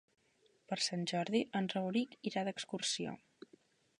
Per Sant Jordi en Rauric irà d'excursió.